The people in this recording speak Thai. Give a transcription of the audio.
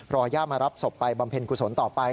อย่ามารับศพไปบำเพ็ญกุศลต่อไป